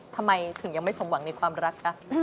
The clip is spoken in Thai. ทำไมถึงยังไม่สมหวังในความรักคะ